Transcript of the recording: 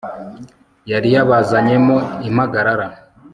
yari yabazanyemo impagarara